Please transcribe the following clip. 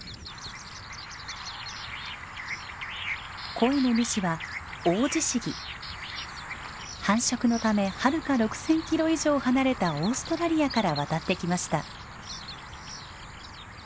声の主は繁殖のためはるか６，０００キロ以上離れたオーストラリアから渡ってきました。